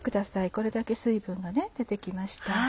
これだけ水分が出て来ました。